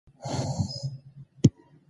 که موږ د طاهر بینا ځان پېښې وګورو